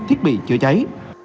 thiết bị chữa cháy